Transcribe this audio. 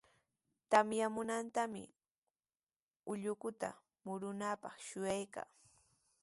Tamyamunantami ullukuta murunanpaq shuyaykan.